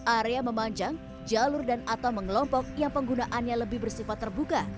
area memanjang jalur dan atau mengelompok yang penggunaannya lebih bersifat terbuka